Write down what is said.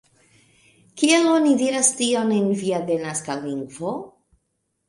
Kiel oni diras tion en via denaska lingvo?